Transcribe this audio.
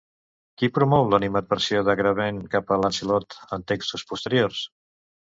Qui promou l'animadversió d'Agravain cap a Lancelot en textos posteriors?